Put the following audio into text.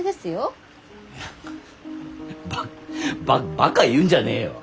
いやババカ言うんじゃねえよ！